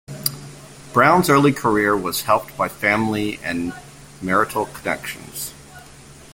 Browne's early career was helped by family and marital connections.